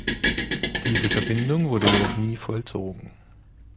Diese Verbindung wurde jedoch nie vollzogen.